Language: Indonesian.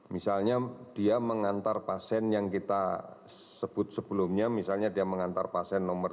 misalnya dia mengantar pasien yang kita sebut sebelumnya misalnya dia mengantar pasien nomor tiga